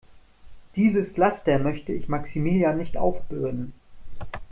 Dieses Laster möchte ich Maximilian nicht aufbürden.